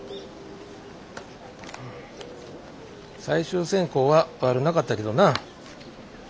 最終選考は悪なかったけどな。